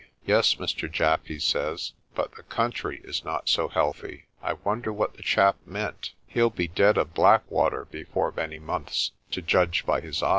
'Yes, Mr. Japp,' he says, 'but the country is not so healthy.' I wonder what the chap meant. He'll be dead of blackwater before many months, to judge by his eyes."